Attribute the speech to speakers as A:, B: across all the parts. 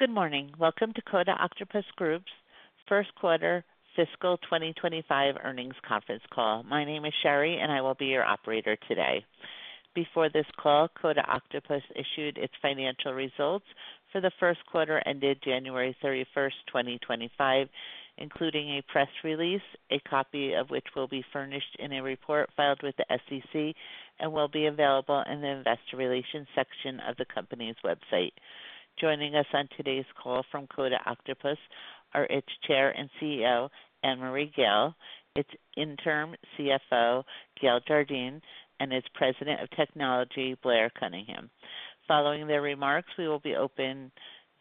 A: Good morning. Welcome to Coda Octopus Group's first-quarter fiscal 2025 earnings conference call. My name is Sherry, and I will be your operator today. Before this call, Coda Octopus issued its financial results for the first quarter ended January 31st, 2025, including a press release, a copy of which will be furnished in a report filed with the SEC and will be available in the investor relations section of the company's website. Joining us on today's call from Coda Octopus are its Chair and CEO, Annmarie Gayle, its Interim CFO, Gayle Jardine, and its President of Technology, Blair Cunningham. Following their remarks, we will open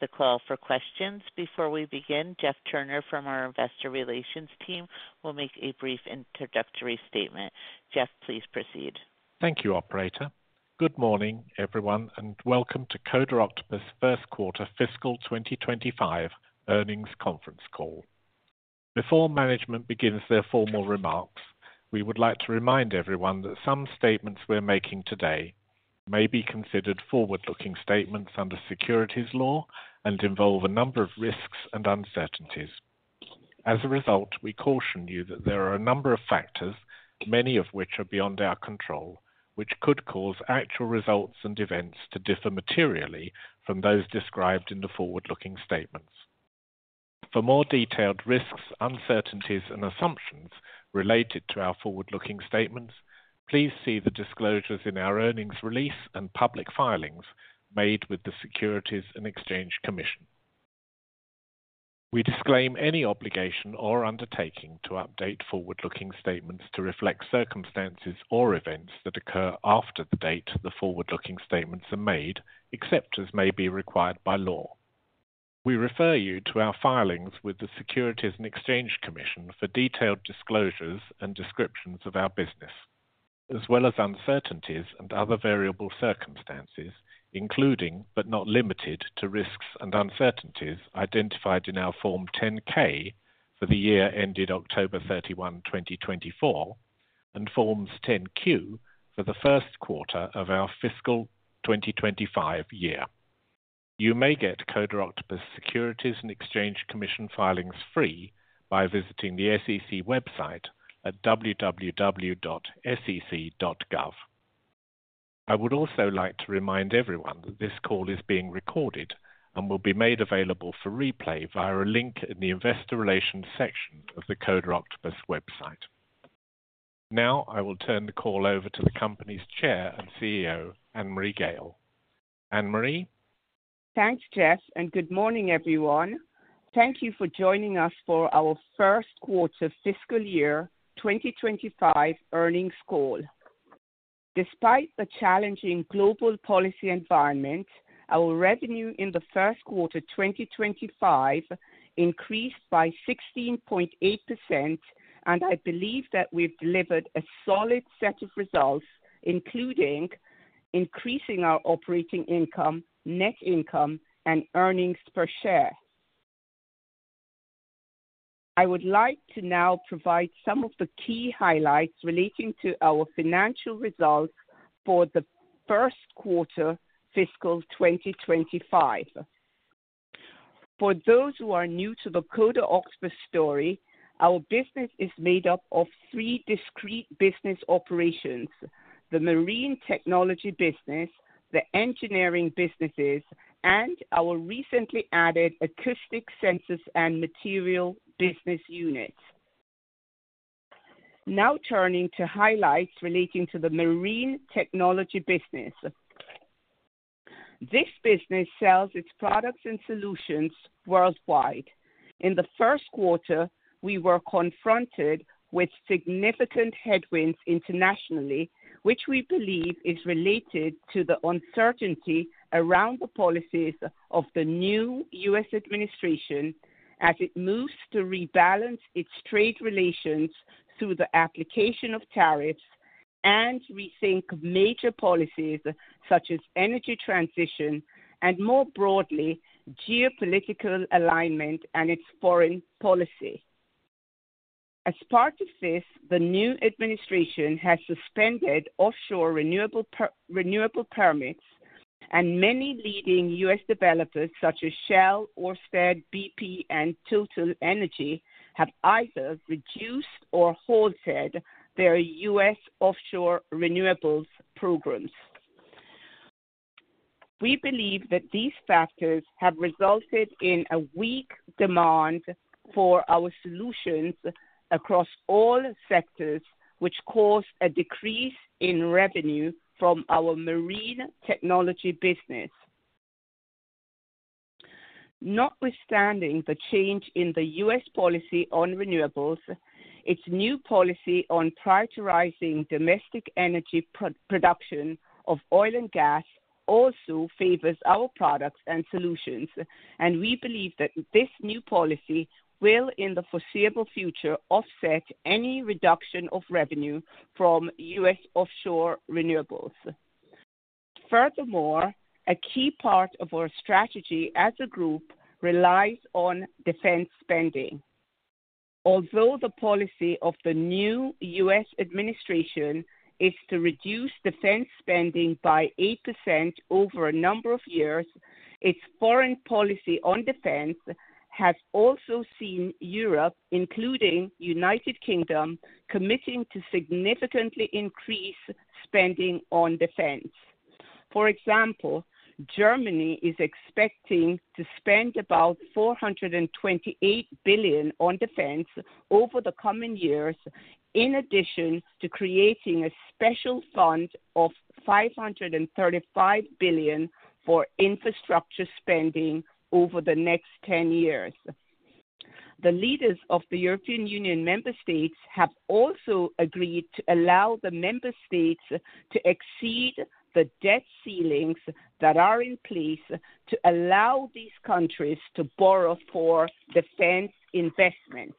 A: the call for questions. Before we begin, Geoff Turner from our investor relations team will make a brief introductory statement. Geoff, please proceed.
B: Thank you, operator. Good morning, everyone, and welcome to Coda Octopus first-quarter fiscal 2025 earnings conference call. Before management begins their formal remarks, we would like to remind everyone that some statements we're making today may be considered forward-looking statements under securities law and involve a number of risks and uncertainties. As a result, we caution you that there are a number of factors, many of which are beyond our control, which could cause actual results and events to differ materially from those described in the forward-looking statements. For more detailed risks, uncertainties, and assumptions related to our forward-looking statements, please see the disclosures in our earnings release and public filings made with the Securities and Exchange Commission. We disclaim any obligation or undertaking to update forward-looking statements to reflect circumstances or events that occur after the date the forward-looking statements are made, except as may be required by law. We refer you to our filings with the Securities and Exchange Commission for detailed disclosures and descriptions of our business, as well as uncertainties and other variable circumstances, including but not limited to risks and uncertainties identified in our Form 10-K for the year ended October 31, 2024, and Forms 10-Q for the first quarter of our fiscal 2025 year. You may get Coda Octopus's Securities and Exchange Commission filings free by visiting the SEC website at www.sec.gov. I would also like to remind everyone that this call is being recorded and will be made available for replay via a link in the investor relations section of the Coda Octopus website. Now, I will turn the call over to the company's Chair and CEO, Annmarie Gayle. Annmarie?
C: Thanks, Geoff, and good morning, everyone. Thank you for joining us for our first-quarter fiscal year 2025 earnings call. Despite the challenging global policy environment, our revenue in the first quarter 2025 increased by 16.8%, and I believe that we've delivered a solid set of results, including increasing our operating income, net income, and earnings per share. I would like to now provide some of the key highlights relating to our financial results for the first quarter fiscal 2025. For those who are new to the Coda Octopus story, our business is made up of three discrete business operations: the Marine Technology business, the Engineering businesses, and our recently added Acoustic Sensors and Materials business unit. Now turning to highlights relating to the Marine Technology business. This business sells its products and solutions worldwide. In the first quarter, we were confronted with significant headwinds internationally, which we believe is related to the uncertainty around the policies of the new U.S. administration as it moves to rebalance its trade relations through the application of tariffs and rethink major policies such as energy transition and, more broadly, geopolitical alignment and its foreign policy. As part of this, the new administration has suspended offshore renewable permits, and many leading U.S. developers such as Shell, Ørsted, BP, and TotalEnergies have either reduced or halted their U.S. offshore renewables programs. We believe that these factors have resulted in a weak demand for our solutions across all sectors, which caused a decrease in revenue from our Marine Technology business. Notwithstanding the change in the U.S. policy on renewables, its new policy on prioritizing domestic energy production of oil and gas also favors our products and solutions, and we believe that this new policy will, in the foreseeable future, offset any reduction of revenue from U.S. offshore renewables. Furthermore, a key part of our strategy as a group relies on defense spending. Although the policy of the new U.S. administration is to reduce defense spending by 8% over a number of years, its foreign policy on defense has also seen Europe, including the U.K., committing to significantly increase spending on defense. For example, Germany is expecting to spend about $428 billion on defense over the coming years, in addition to creating a special fund of $535 billion for infrastructure spending over the next 10 years. The leaders of the European Union member states have also agreed to allow the member states to exceed the debt ceilings that are in place to allow these countries to borrow for defense investment.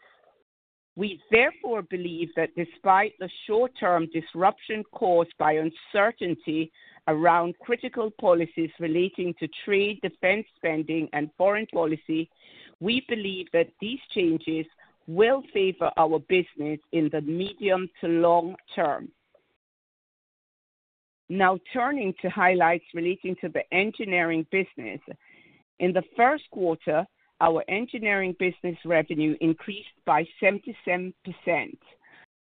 C: We therefore believe that despite the short-term disruption caused by uncertainty around critical policies relating to trade, defense spending, and foreign policy, we believe that these changes will favor our business in the medium to long term. Now turning to highlights relating to the Engineering business. In the first quarter, our Engineering business revenue increased by 77%.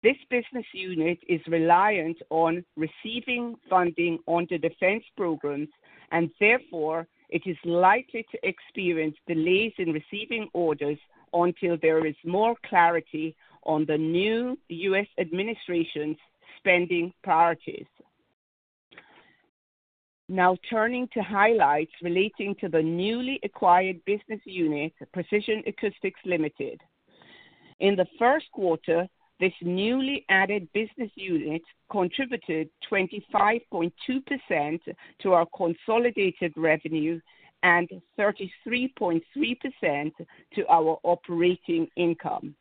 C: This business unit is reliant on receiving funding on the defense programs, and therefore it is likely to experience delays in receiving orders until there is more clarity on the new U.S. administration's spending priorities. Now turning to highlights relating to the newly acquired business unit, Precision Acoustics Limited. In the first quarter, this newly added business unit contributed 25.2% to our consolidated revenue and 33.3% to our operating income.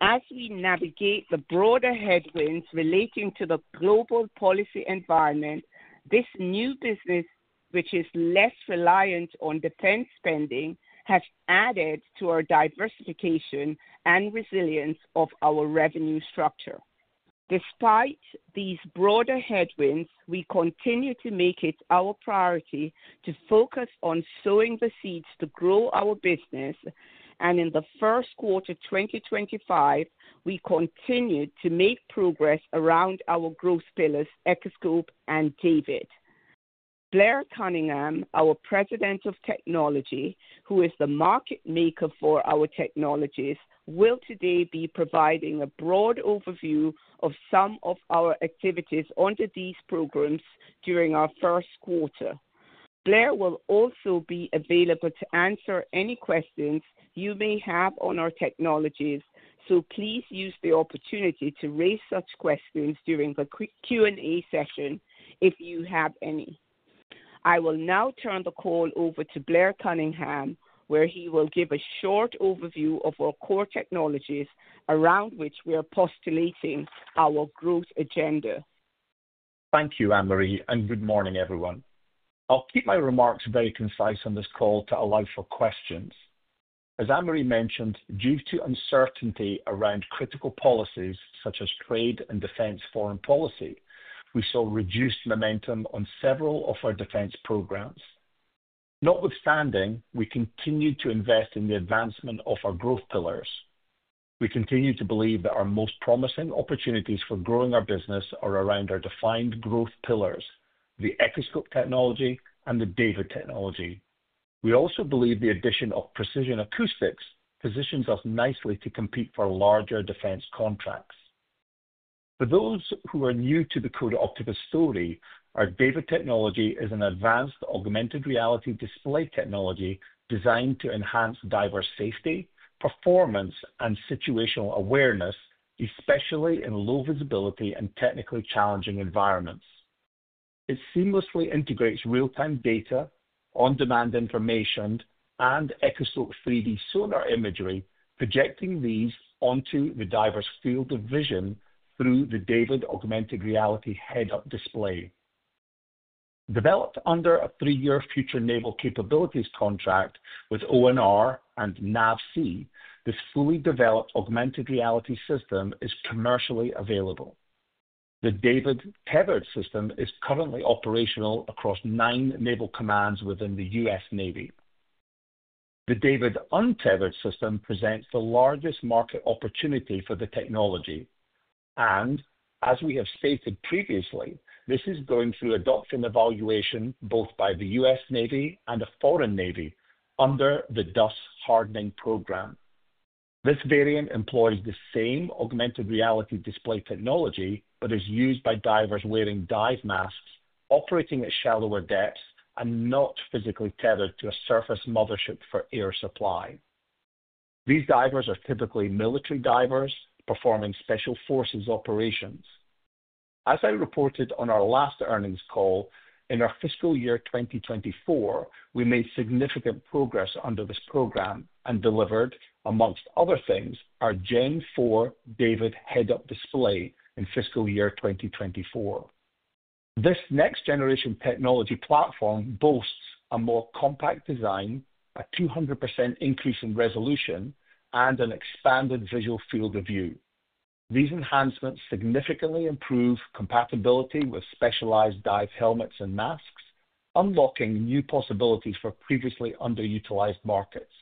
C: As we navigate the broader headwinds relating to the global policy environment, this new business, which is less reliant on defense spending, has added to our diversification and resilience of our revenue structure. Despite these broader headwinds, we continue to make it our priority to focus on sowing the seeds to grow our business, and in the first quarter 2025, we continue to make progress around our growth pillars, Echoscope and DAVD. Blair Cunningham, our President of Technology, who is the market maker for our technologies, will today be providing a broad overview of some of our activities under these programs during our first quarter. Blair will also be available to answer any questions you may have on our technologies, so please use the opportunity to raise such questions during the Q&A session if you have any. I will now turn the call over to Blair Cunningham, where he will give a short overview of our core technologies around which we are postulating our growth agenda.
D: Thank you, Annmarie, and good morning, everyone. I'll keep my remarks very concise on this call to allow for questions. As Annmarie mentioned, due to uncertainty around critical policies such as trade and defense foreign policy, we saw reduced momentum on several of our defense programs. Notwithstanding, we continue to invest in the advancement of our growth pillars. We continue to believe that our most promising opportunities for growing our business are around our defined growth pillars, the Echoscope technology and the DAVD technology. We also believe the addition of Precision Acoustics positions us nicely to compete for larger defense contracts. For those who are new to the Coda Octopus story, our DAVD technology is an advanced augmented reality display technology designed to enhance divers' safety, performance, and situational awareness, especially in low visibility and technically challenging environments. It seamlessly integrates real-time data, on-demand information, and Echoscope 3D sonar imagery, projecting these onto the diver's field of vision through the DAVD augmented reality head-up display. Developed under a three-year Future Naval Capabilities contract with ONR and NAVSEA, this fully developed augmented reality system is commercially available. The DAVD tethered system is currently operational across nine naval commands within the U.S. Navy. The DAVD untethered system presents the largest market opportunity for the technology, and as we have stated previously, this is going through adoption evaluation both by the U.S. Navy and a foreign navy under the DUS Hardening Program. This variant employs the same augmented reality display technology but is used by divers wearing dive masks, operating at shallower depths, and not physically tethered to a surface mothership for air supply. These divers are typically military divers performing special forces operations. As I reported on our last earnings call, in our fiscal year 2024, we made significant progress under this program and delivered, amongst other things, our Gen 4 DAVD head-up display in fiscal year 2024. This next-generation technology platform boasts a more compact design, a 200% increase in resolution, and an expanded visual field of view. These enhancements significantly improve compatibility with specialized dive helmets and masks, unlocking new possibilities for previously underutilized markets.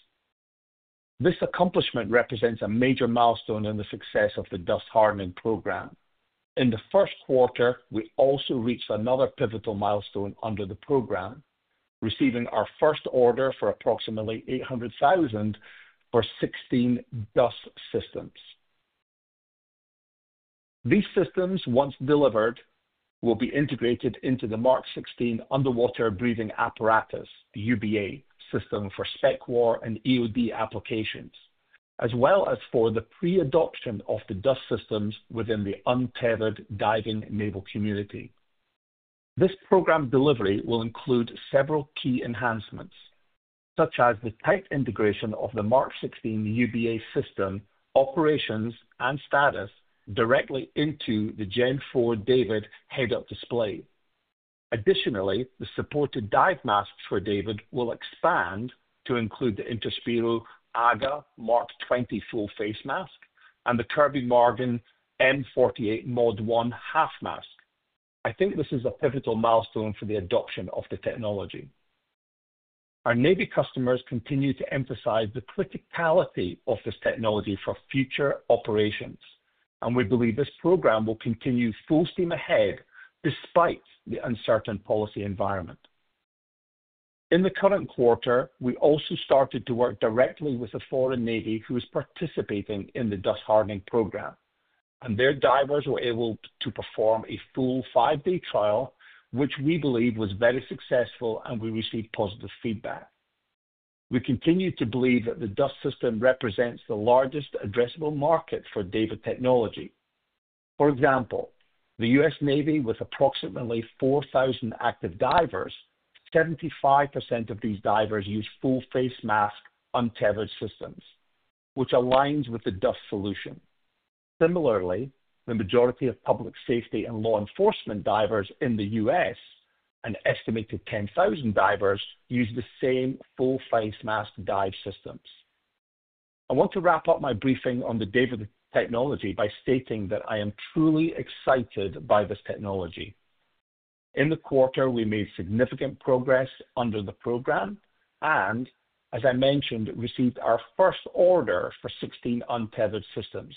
D: This accomplishment represents a major milestone in the success of the DUS Hardening Program. In the first quarter, we also reached another pivotal milestone under the program, receiving our first order for approximately $800,000 for 16 DUS systems. These systems, once delivered, will be integrated into the Mark 16 underwater breathing apparatus, the UBA system for SPECWAR and EOD applications, as well as for the pre-adoption of the DUS systems within the untethered diving naval community. This program delivery will include several key enhancements, such as the tight integration of the Mark 16 UBA system operations and status directly into the Gen 4 DAVD head-up display. Additionally, the supported dive masks for DAVD will expand to include the Interspiro AGA Mark 20 full face mask and the Kirby Morgan M-48 MOD-1 half mask. I think this is a pivotal milestone for the adoption of the technology. Our navy customers continue to emphasize the criticality of this technology for future operations, and we believe this program will continue full steam ahead despite the uncertain policy environment. In the current quarter, we also started to work directly with the foreign navy who is participating in the DUS Hardening Program, and their divers were able to perform a full five-day trial, which we believe was very successful, and we received positive feedback. We continue to believe that the DUS system represents the largest addressable market for DAVD technology. For example, the U.S. Navy, with approximately 4,000 active divers, 75% of these divers use full face mask untethered systems, which aligns with the DUS solution. Similarly, the majority of public safety and law enforcement divers in the U.S., an estimated 10,000 divers, use the same full face mask dive systems. I want to wrap up my briefing on the DAVD technology by stating that I am truly excited by this technology. In the quarter, we made significant progress under the program and, as I mentioned, received our first order for 16 untethered systems,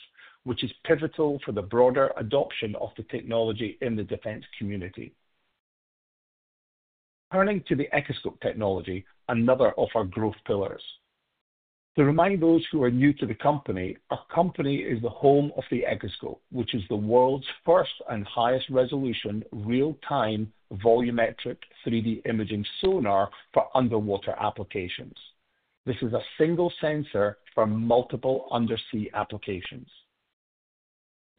D: which is pivotal for the broader adoption of the technology in the defense community. Turning to the Echoscope technology, another of our growth pillars. To remind those who are new to the company, our company is the home of the Echoscope, which is the world's first and highest resolution real-time volumetric 3D imaging sonar for underwater applications. This is a single sensor for multiple undersea applications.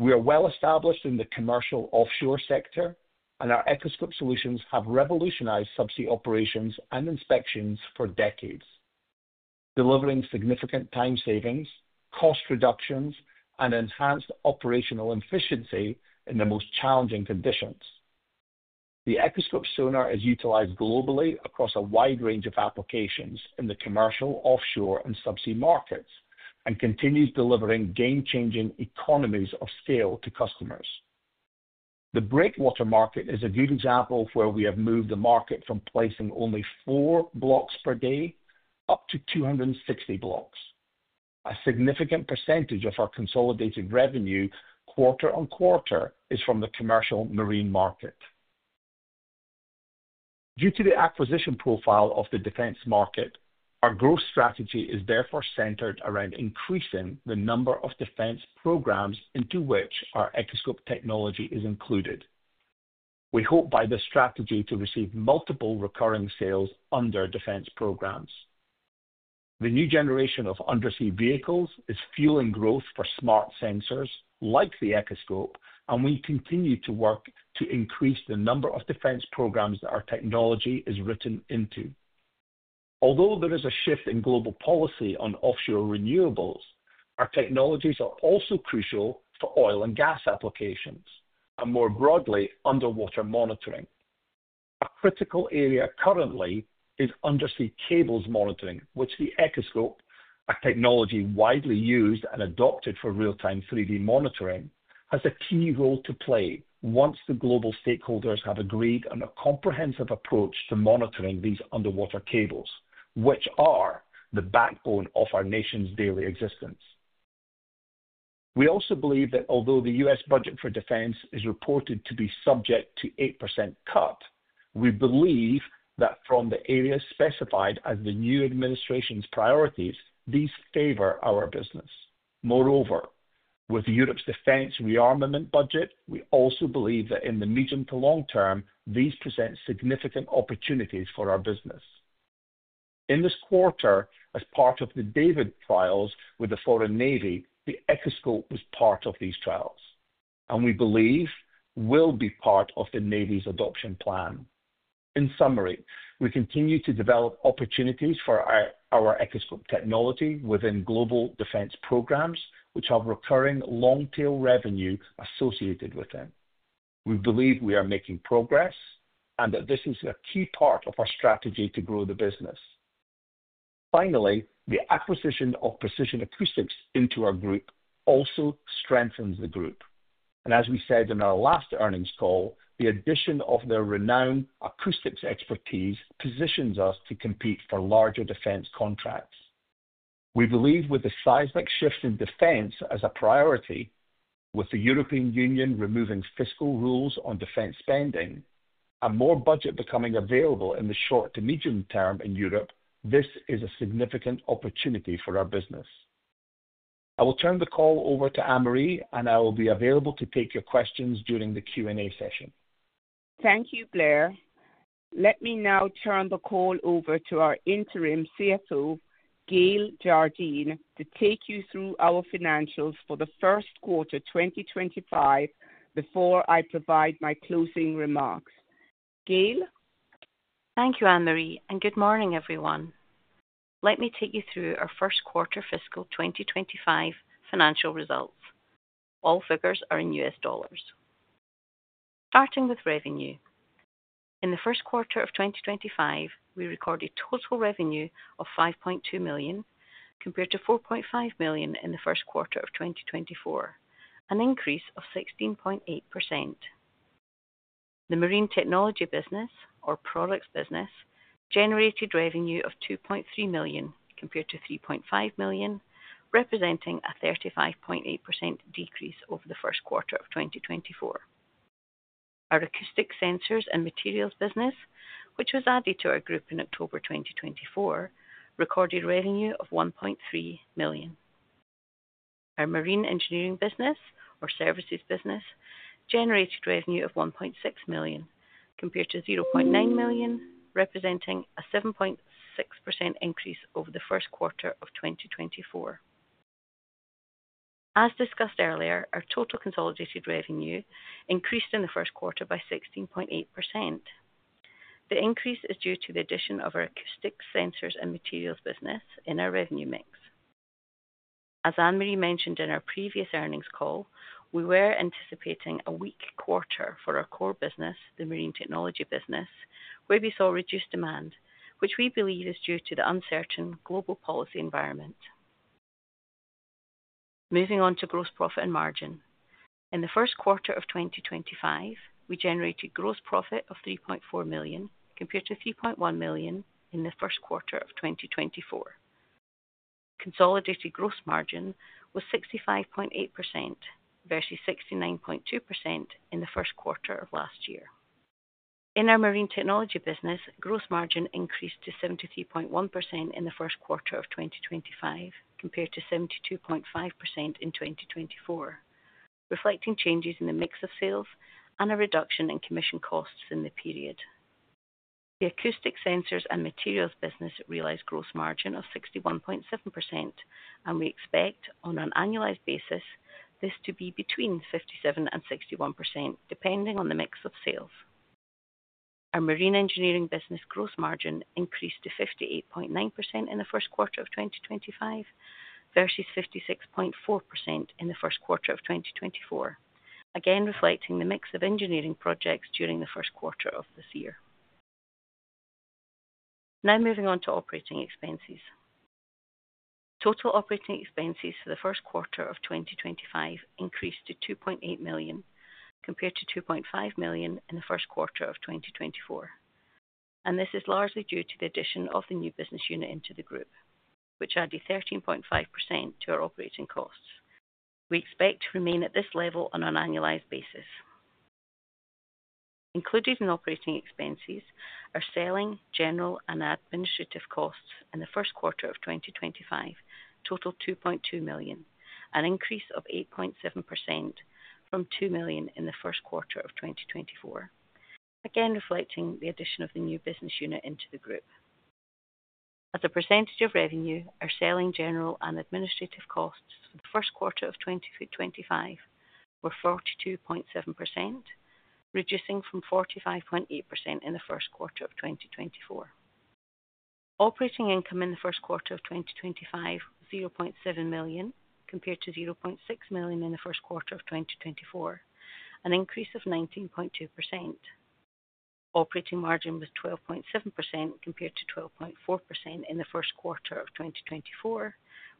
D: We are well established in the commercial offshore sector, and our Echoscope solutions have revolutionized subsea operations and inspections for decades, delivering significant time savings, cost reductions, and enhanced operational efficiency in the most challenging conditions. The Echoscope sonar is utilized globally across a wide range of applications in the commercial, offshore, and subsea markets and continues delivering game-changing economies of scale to customers. The breakwater market is a good example of where we have moved the market from placing only four blocks per day up to 260 blocks. A significant percentage of our consolidated revenue, quarter-on-quarter, is from the commercial marine market. Due to the acquisition profile of the defense market, our growth strategy is therefore centered around increasing the number of defense programs into which our Echoscope technology is included. We hope by this strategy to receive multiple recurring sales under defense programs. The new generation of undersea vehicles is fueling growth for smart sensors like the Echoscope, and we continue to work to increase the number of defense programs that our technology is written into. Although there is a shift in global policy on offshore renewables, our technologies are also crucial for oil and gas applications and, more broadly, underwater monitoring. A critical area currently is undersea cables monitoring, which the Echoscope, a technology widely used and adopted for real-time 3D monitoring, has a key role to play once the global stakeholders have agreed on a comprehensive approach to monitoring these underwater cables, which are the backbone of our nation's daily existence. We also believe that although the U.S. budget for defense is reported to be subject to an 8% cut, we believe that from the areas specified as the new administration's priorities, these favor our business. Moreover, with Europe's defense rearmament budget, we also believe that in the medium to long term, these present significant opportunities for our business. In this quarter, as part of the DAVD trials with the foreign navy, the Echoscope was part of these trials, and we believe will be part of the navy's adoption plan. In summary, we continue to develop opportunities for our Echoscope technology within global defense programs, which have recurring long-tail revenue associated with them. We believe we are making progress and that this is a key part of our strategy to grow the business. Finally, the acquisition of Precision Acoustics into our group also strengthens the group. As we said in our last earnings call, the addition of their renowned acoustics expertise positions us to compete for larger defense contracts. We believe with the seismic shift in defense as a priority, with the European Union removing fiscal rules on defense spending and more budget becoming available in the short to medium term in Europe, this is a significant opportunity for our business. I will turn the call over to Annmarie, and I will be available to take your questions during the Q&A session.
C: Thank you, Blair. Let me now turn the call over to our Interim CFO, Gayle Jardine, to take you through our financials for the first quarter 2025 before I provide my closing remarks. Gayle?
E: Thank you, Annmarie, and good morning, everyone. Let me take you through our first quarter fiscal 2025 financial results. All figures are in US dollars. Starting with revenue. In the first quarter of 2025, we recorded total revenue of $5.2 million, compared to $4.5 million in the first quarter of 2024, an increase of 16.8%. The Marine Technology business, or products business, generated revenue of $2.3 million, compared to $3.5 million, representing a 35.8% decrease over the first quarter of 2024. Our Acoustic Sensors and Materials business, which was added to our group in October 2024, recorded revenue of $1.3 million. Our marine Engineering business, or services business, generated revenue of $1.6 million, compared to $0.9 million, representing a 7.6% increase over the first quarter of 2024. As discussed earlier, our total consolidated revenue increased in the first quarter by 16.8%. The increase is due to the addition of our Acoustic Sensors and Materials business in our revenue mix. As Annmarie mentioned in our previous earnings call, we were anticipating a weak quarter for our core business, the Marine Technology business, where we saw reduced demand, which we believe is due to the uncertain global policy environment. Moving on to gross profit and margin. In the first quarter of 2025, we generated gross profit of $3.4 million, compared to $3.1 million in the first quarter of 2024. Consolidated gross margin was 65.8% versus 69.2% in the first quarter of last year. In our Marine Technology business, gross margin increased to 73.1% in the first quarter of 2025, compared to 72.5% in 2024, reflecting changes in the mix of sales and a reduction in commission costs in the period. The Acoustic Sensors and Materials business realized gross margin of 61.7%, and we expect, on an annualized basis, this to be between 57% and 61%, depending on the mix of sales. Our marine Engineering business gross margin increased to 58.9% in the first quarter of 2025 versus 56.4% in the first quarter of 2024, again reflecting the mix of Engineering projects during the first quarter of this year. Now moving on to operating expenses. Total operating expenses for the first quarter of 2025 increased to $2.8 million, compared to $2.5 million in the first quarter of 2024, and this is largely due to the addition of the new business unit into the group, which added 13.5% to our operating costs. We expect to remain at this level on an annualized basis. Included in operating expenses are selling, general, and administrative costs in the first quarter of 2025, total $2.2 million, an increase of 8.7% from $2 million in the first quarter of 2024, again reflecting the addition of the new business unit into the group. As a percentage of revenue, our selling, general, and administrative costs for the first quarter of 2025 were 42.7%, reducing from 45.8% in the first quarter of 2024. Operating income in the first quarter of 2025 was $0.7 million, compared to $0.6 million in the first quarter of 2024, an increase of 19.2%. Operating margin was 12.7%, compared to 12.4% in the first quarter of 2024,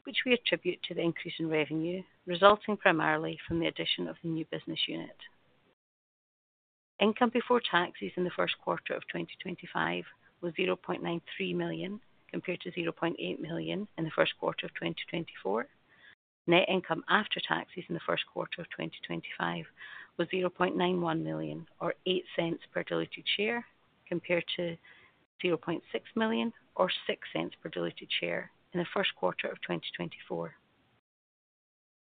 E: which we attribute to the increase in revenue resulting primarily from the addition of the new business unit. Income before taxes in the first quarter of 2025 was $0.93 million, compared to $0.8 million in the first quarter of 2024. Net income after taxes in the first quarter of 2025 was $0.91 million, or $0.08 per diluted share, compared to $0.6 million, or $0.06 per diluted share in the first quarter of 2024.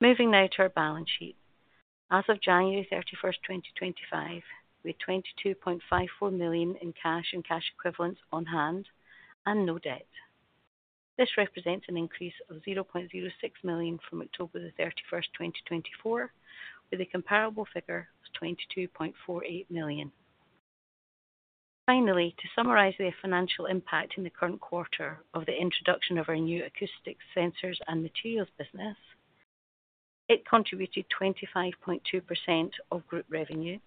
E: Moving now to our balance sheet. As of January 31st, 2025, we had $22.54 million in cash and cash equivalents on hand and no debt. This represents an increase of $0.06 million from October 31st, 2024, with a comparable figure of $22.48 million. Finally, to summarize the financial impact in the current quarter of the introduction of our new Acoustic Sensors and Materials business, it contributed 25.2% of group revenue.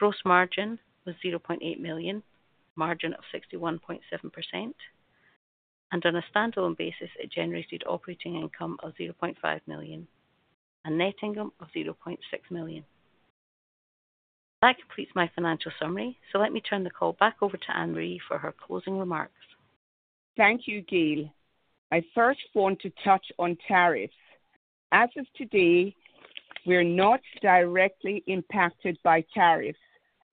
E: Gross margin was $0.8 million, margin of 61.7%, and on a standalone basis, it generated operating income of $0.5 million and net income of $0.6 million. That completes my financial summary, so let me turn the call back over to Annmarie for her closing remarks.
C: Thank you, Gayle. I first want to touch on tariffs. As of today, we're not directly impacted by tariffs.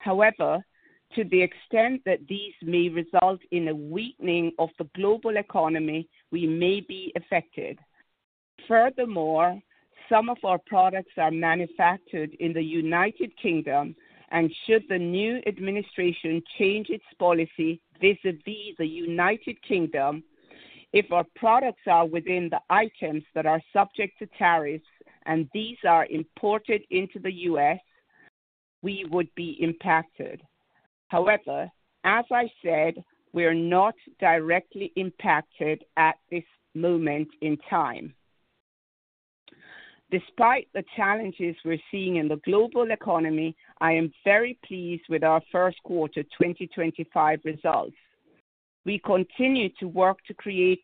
C: However, to the extent that these may result in a weakening of the global economy, we may be affected. Furthermore, some of our products are manufactured in the United Kingdom, and should the new administration change its policy vis-à-vis the United Kingdom, if our products are within the items that are subject to tariffs and these are imported into the U.S., we would be impacted. However, as I said, we're not directly impacted at this moment in time. Despite the challenges we're seeing in the global economy, I am very pleased with our first quarter 2025 results. We continue to work to create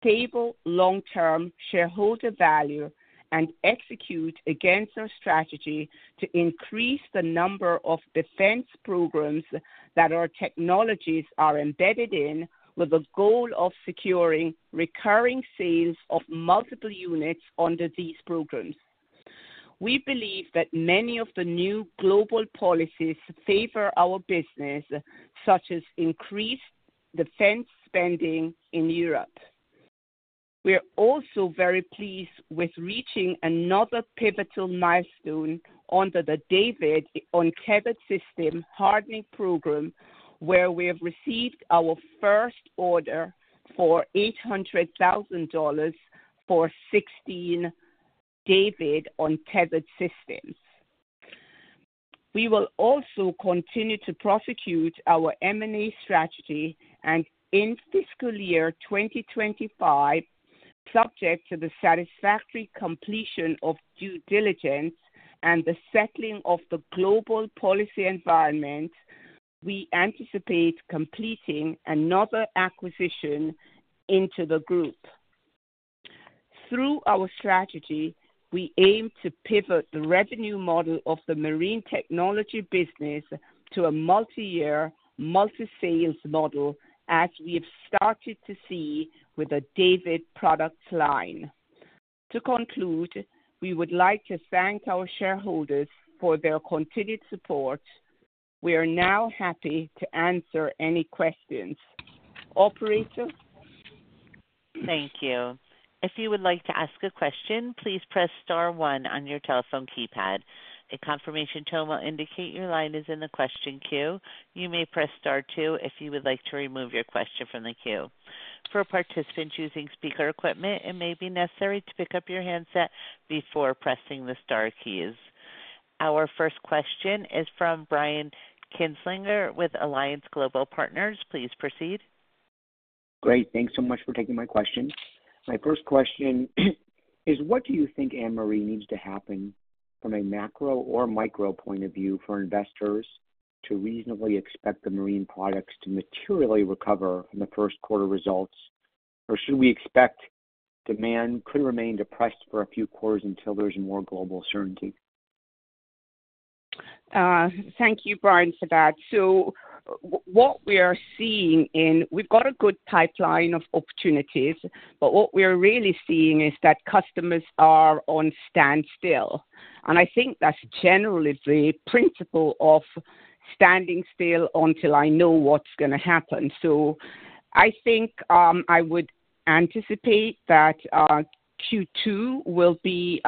C: stable long-term shareholder value and execute against our strategy to increase the number of defense programs that our technologies are embedded in, with the goal of securing recurring sales of multiple units under these programs. We believe that many of the new global policies favor our business, such as increased defense spending in Europe. We are also very pleased with reaching another pivotal milestone under the DAVD Untethered System Hardening Program, where we have received our first order for $800,000 for 16 DAVD Untethered Systems. We will also continue to prosecute our M&A strategy and, in fiscal year 2025, subject to the satisfactory completion of due diligence and the settling of the global policy environment, we anticipate completing another acquisition into the group. Through our strategy, we aim to pivot the revenue model of the Marine Technology business to a multi-year, multi-sales model, as we have started to see with the DAVD product line. To conclude, we would like to thank our shareholders for their continued support. We are now happy to answer any questions. Operator?
A: Thank you. If you would like to ask a question, please press star one on your telephone keypad. A confirmation tone will indicate your line is in the question queue. You may press star two if you would like to remove your question from the queue. For participants using speaker equipment, it may be necessary to pick up your handset before pressing the star keys. Our first question is from Brian Kinstlinger with Alliance Global Partners. Please proceed.
F: Great. Thanks so much for taking my question. My first question is, what do you think Annmarie needs to happen from a macro or micro point of view for investors to reasonably expect the marine products to materially recover in the first quarter results? Should we expect demand could remain depressed for a few quarters until there's more global certainty?
C: Thank you, Brian, for that. What we are seeing is, we have got a good pipeline of opportunities, but what we are really seeing is that customers are on standstill. I think that is generally the principle of standing still until I know what is going to happen. I think I would anticipate that Q2 will be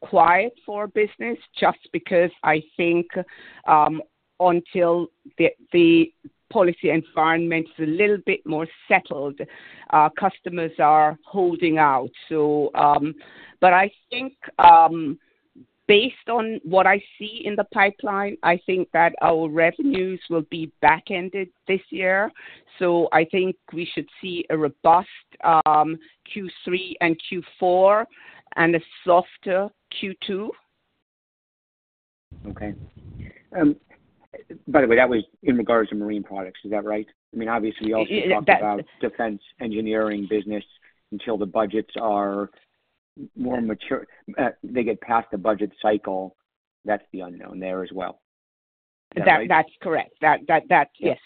C: quiet for business, just because I think until the policy environment is a little bit more settled, customers are holding out. I think based on what I see in the pipeline, our revenues will be back-ended this year. I think we should see a robust Q3 and Q4 and a softer Q2.
F: Okay. By the way, that was in regards to marine products. Is that right? I mean, obviously, we also talked about defense Engineering business until the budgets are more mature, they get past the budget cycle. That's the unknown there as well.
C: That's correct. Yes.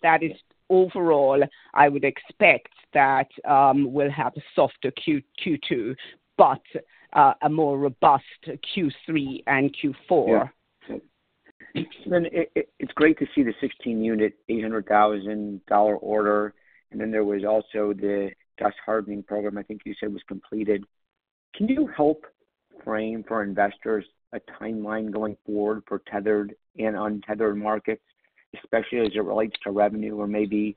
C: That is overall, I would expect that we'll have a softer Q2, but a more robust Q3 and Q4.
F: It's great to see the 16-unit $800,000 order. There was also the DUS Hardening Program, I think you said was completed. Can you help frame for investors a timeline going forward for tethered and untethered markets, especially as it relates to revenue, or maybe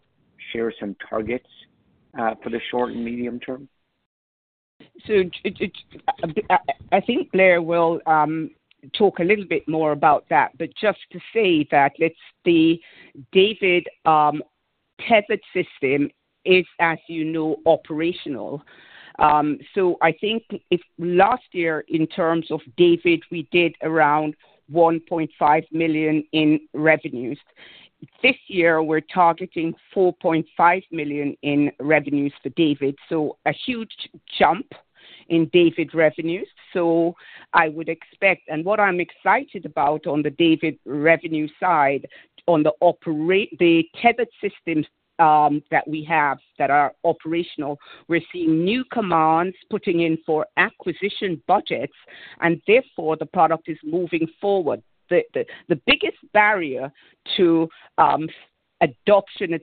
F: share some targets for the short and medium term?
C: I think Blair will talk a little bit more about that, but just to say that the DAVD Tethered System is, as you know, operational. I think last year, in terms of DAVD, we did around $1.5 million in revenues. This year, we're targeting $4.5 million in revenues for DAVD. A huge jump in DAVD revenues. I would expect, and what I'm excited about on the DAVD revenue side, on the tethered systems that we have that are operational, we're seeing new commands putting in for acquisition budgets, and therefore the product is moving forward. The biggest barrier to adoption at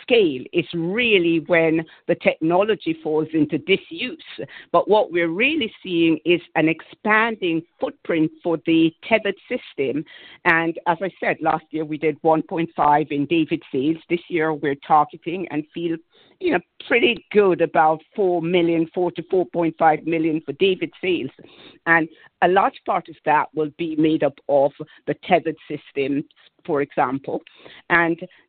C: scale is really when the technology falls into disuse. What we're really seeing is an expanding footprint for the tethered system. As I said, last year we did $1.5 million in DAVD sales. This year we're targeting and feel pretty good about $4 million, $4 million-$4.5 million for DAVD sales. A large part of that will be made up of the tethered system, for example.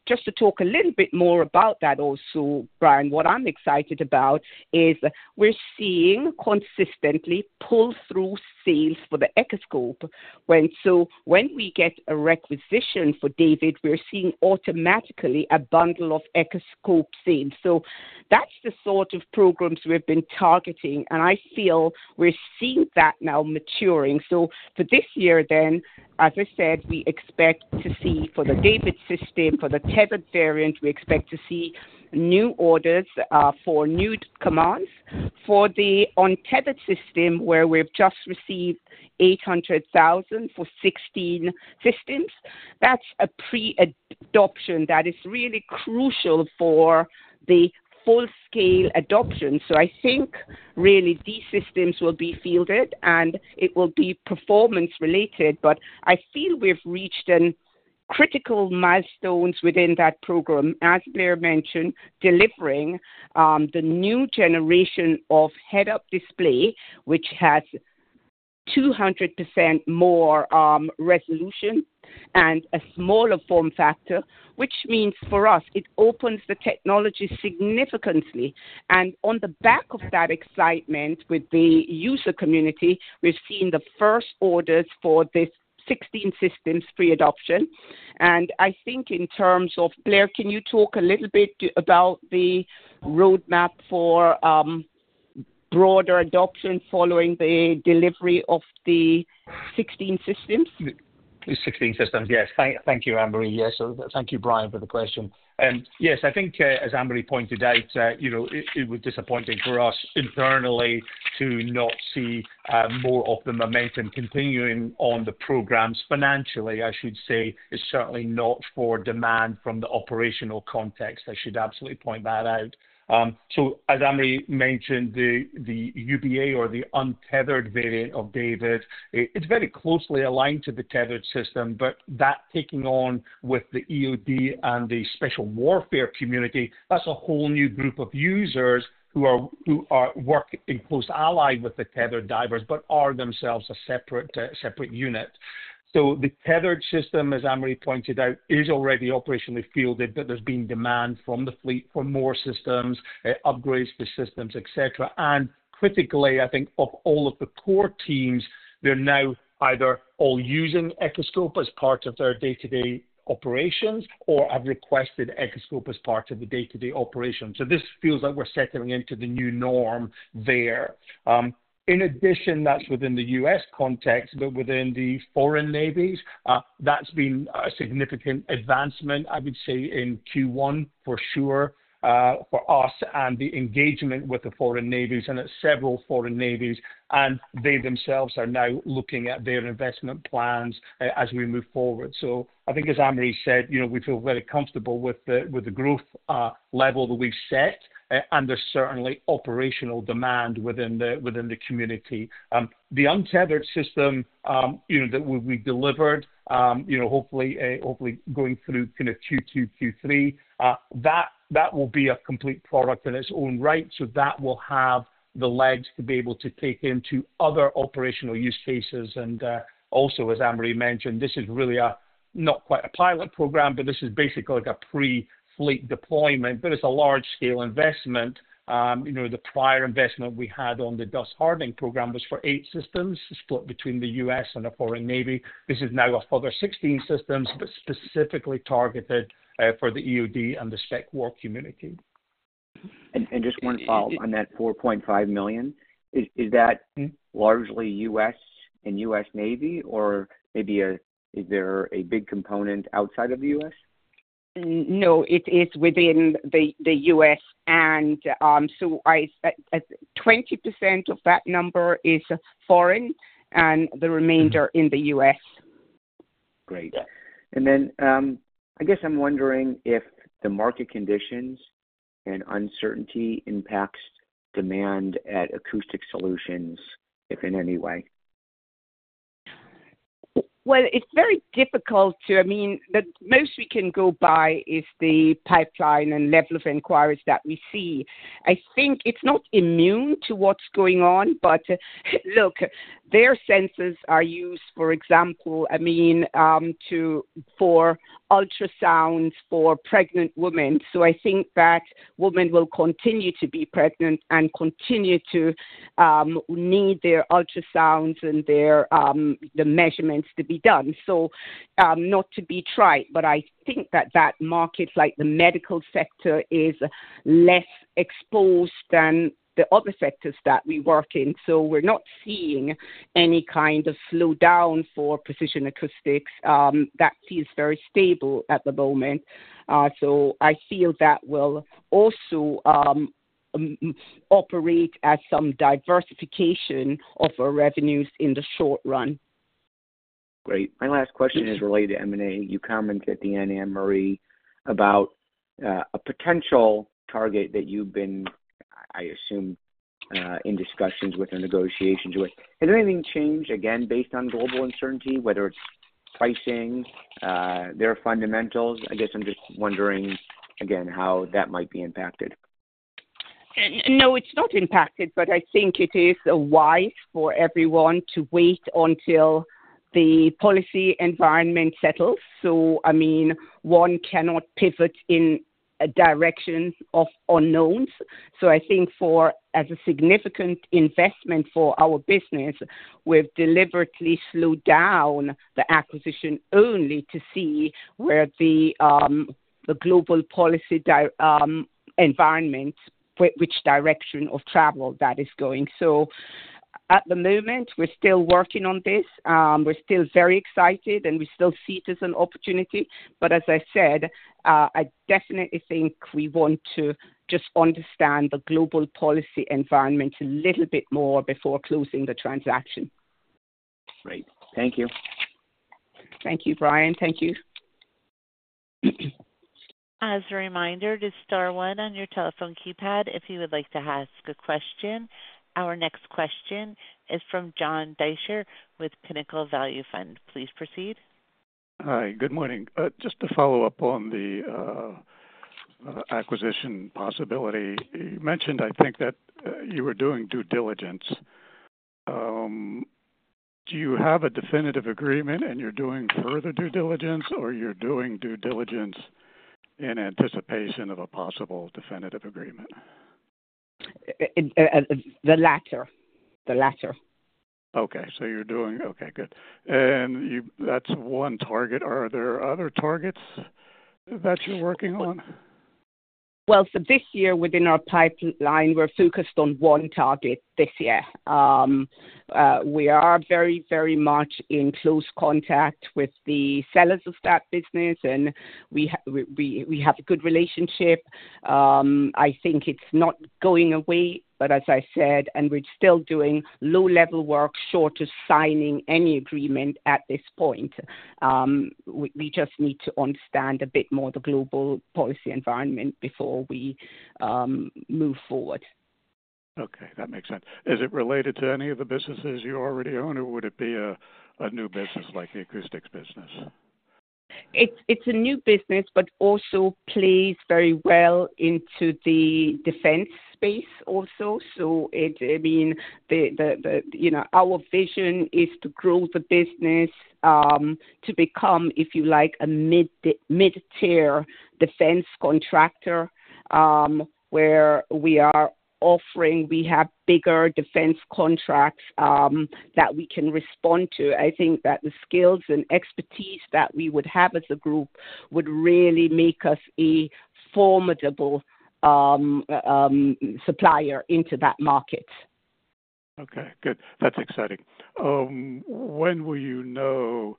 C: Just to talk a little bit more about that also, Brian, what I'm excited about is we're seeing consistently pull-through sales for the Echoscope. When we get a requisition for DAVD, we're seeing automatically a bundle of Echoscope sales. That's the sort of programs we've been targeting, and I feel we're seeing that now maturing. For this year then, as I said, we expect to see for the DAVD system, for the tethered variant, we expect to see new orders for new commands. For the untethered system, where we've just received $800,000 for 16 systems, that's a pre-adoption that is really crucial for the full-scale adoption. I think really these systems will be fielded, and it will be performance-related, but I feel we've reached critical milestones within that program. As Blair mentioned, delivering the new generation of head-up display, which has 200% more resolution and a smaller form factor, which means for us it opens the technology significantly. On the back of that excitement with the user community, we've seen the first orders for these 16 systems pre-adoption. I think in terms of Blair, can you talk a little bit about the roadmap for broader adoption following the delivery of the 16 systems?
D: The 16 systems, yes. Thank you, Annmarie. Yes. Thank you, Brian, for the question. Yes, I think as Annmarie pointed out, it was disappointing for us internally to not see more of the momentum continuing on the programs. Financially, I should say, it's certainly not for demand from the operational context. I should absolutely point that out. As Annmarie mentioned, the UBA or the untethered variant of DAVD, it's very closely aligned to the tethered system, but that taking on with the EOD and the special warfare community, that's a whole new group of users who work in close ally with the tethered divers, but are themselves a separate unit. The tethered system, as Annmarie pointed out, is already operationally fielded, but there's been demand from the fleet for more systems, upgrades to systems, etc. Critically, I think of all of the core teams, they're now either all using Echoscope as part of their day-to-day operations or have requested Echoscope as part of the day-to-day operations. This feels like we're settling into the new norm there. In addition, that's within the U.S. context, but within the foreign navies, that's been a significant advancement, I would say, in Q1 for sure for us and the engagement with the foreign navies and several foreign navies. They themselves are now looking at their investment plans as we move forward. I think, as Annmarie said, we feel very comfortable with the growth level that we've set, and there's certainly operational demand within the community. The untethered system that we've delivered, hopefully going through Q2, Q3, that will be a complete product in its own right. That will have the legs to be able to take into other operational use cases. Also, as Annmarie mentioned, this is really not quite a pilot program, but this is basically like a pre-fleet deployment, but it is a large-scale investment. The prior investment we had on the DUS Hardening Program was for eight systems split between the U.S. and a foreign navy. This is now for the 16 systems, but specifically targeted for the EOD and the SPECWAR community.
F: Just one follow-up on that $4.5 million, is that largely U.S. and U.S. Navy, or maybe is there a big component outside of the U.S.?
C: No, it is within the U.S. and so 20% of that number is foreign, and the remainder in the U.S.
F: Great. I guess I'm wondering if the market conditions and uncertainty impacts demand at Acoustic Solutions, if in any way.
C: It is very difficult to—I mean, the most we can go by is the pipeline and level of inquiries that we see. I think it is not immune to what is going on, but look, their sensors are used, for example, for ultrasounds for pregnant women. I think that women will continue to be pregnant and continue to need their ultrasounds and the measurements to be done. Not to be trite, but I think that market, like the medical sector, is less exposed than the other sectors that we work in. We are not seeing any kind of slowdown for Precision Acoustics. That feels very stable at the moment. I feel that will also operate as some diversification of our revenues in the short run.
F: Great. My last question is related to M&A. You commented at the end, Annmarie, about a potential target that you've been, I assume, in discussions with or negotiations with. Has anything changed again based on global uncertainty, whether it's pricing, their fundamentals? I guess I'm just wondering, again, how that might be impacted.
C: No, it's not impacted, but I think it is wise for everyone to wait until the policy environment settles. I mean, one cannot pivot in a direction of unknowns. I think as a significant investment for our business, we've deliberately slowed down the acquisition only to see where the global policy environment, which direction of travel that is going. At the moment, we're still working on this. We're still very excited, and we still see it as an opportunity. As I said, I definitely think we want to just understand the global policy environment a little bit more before closing the transaction.
F: Great. Thank you.
C: Thank you, Brian. Thank you.
A: As a reminder, press star one on your telephone keypad if you would like to ask a question. Our next question is from John Deysher with Pinnacle Value Fund. Please proceed.
G: Hi. Good morning. Just to follow up on the acquisition possibility, you mentioned, I think, that you were doing due diligence. Do you have a definitive agreement, and you're doing further due diligence, or you're doing due diligence in anticipation of a possible definitive agreement?
C: The latter. The latter.
G: Okay. You're doing okay. Good. That's one target. Are there other targets that you're working on?
C: This year within our pipeline, we're focused on one target this year. We are very, very much in close contact with the sellers of that business, and we have a good relationship. I think it's not going away, but as I said, we're still doing low-level work, short of signing any agreement at this point. We just need to understand a bit more the global policy environment before we move forward.
G: Okay. That makes sense. Is it related to any of the businesses you already own, or would it be a new business like the acoustics business?
C: It's a new business, but also plays very well into the defense space also. I mean, our vision is to grow the business to become, if you like, a mid-tier defense contractor where we are offering—we have bigger defense contracts that we can respond to. I think that the skills and expertise that we would have as a group would really make us a formidable supplier into that market.
G: Okay. Good. That's exciting. When will you know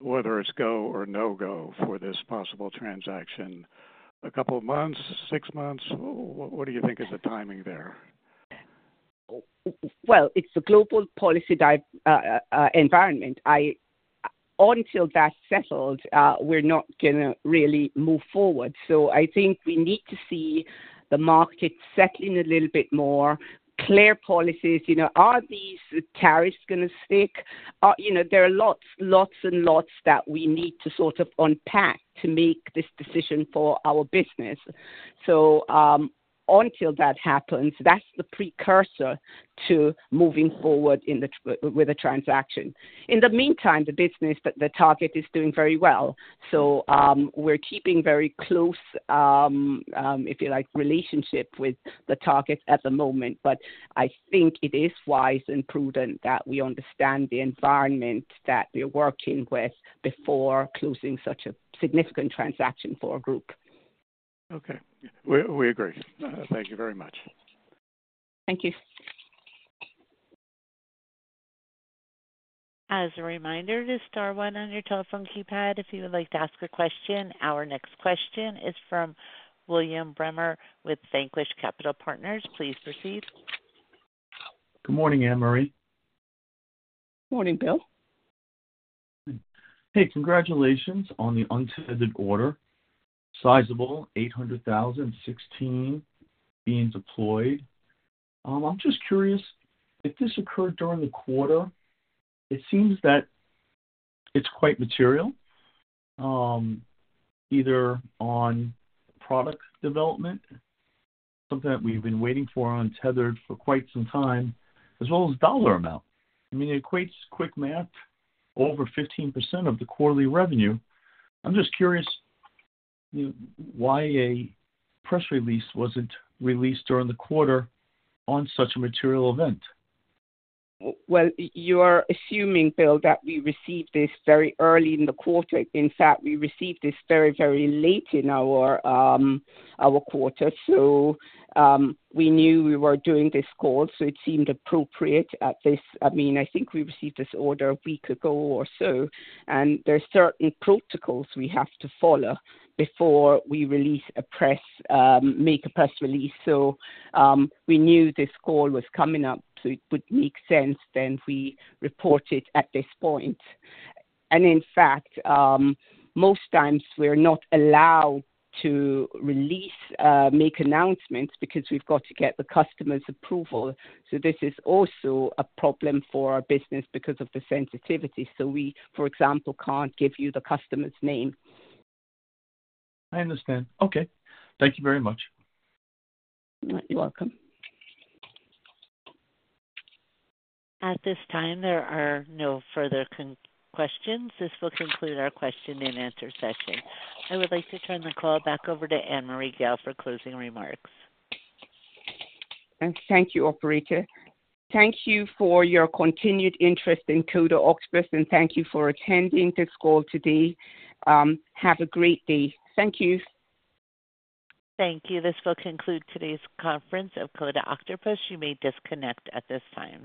G: whether it's go or no-go for this possible transaction? A couple of months, six months? What do you think is the timing there?
C: It's a global policy environment. Until that's settled, we're not going to really move forward. I think we need to see the market settling a little bit more, clear policies. Are these tariffs going to stick? There are lots and lots that we need to sort of unpack to make this decision for our business. Until that happens, that's the precursor to moving forward with the transaction. In the meantime, the business, the target is doing very well. We're keeping very close, if you like, relationship with the target at the moment. I think it is wise and prudent that we understand the environment that we're working with before closing such a significant transaction for a group.
G: Okay. We agree. Thank you very much.
C: Thank you.
A: As a reminder, press star one on your telephone keypad if you would like to ask a question. Our next question is from William Bremer with Vanquish Capital Partners. Please proceed.
H: Good morning, Annmarie.
C: Morning, Bill.
H: Hey. Congratulations on the untethered order. Sizable, $800,000, 16 being deployed. I'm just curious, if this occurred during the quarter, it seems that it's quite Material, either on product development, something that we've been waiting for on tethered for quite some time, as well as dollar amount. I mean, it equates quick math over 15% of the quarterly revenue. I'm just curious why a press release wasn't released during the quarter on such a Material event.
C: You are assuming, Bill, that we received this very early in the quarter. In fact, we received this very, very late in our quarter. We knew we were doing this call, so it seemed appropriate at this. I mean, I think we received this order a week ago or so. There are certain protocols we have to follow before we release a press, make a press release. We knew this call was coming up, so it would make sense then we report it at this point. In fact, most times we are not allowed to release, make announcements because we have to get the customer's approval. This is also a problem for our business because of the sensitivity. For example, we cannot give you the customer's name.
H: I understand. Okay. Thank you very much.
C: You're welcome.
A: At this time, there are no further questions. This will conclude our question and answer session. I would like to turn the call back over to Annmarie Gayle for closing remarks.
C: Thank you, operator. Thank you for your continued interest in Coda Octopus, and thank you for attending this call today. Have a great day. Thank you.
A: Thank you. This will conclude today's conference of Coda Octopus. You may disconnect at this time.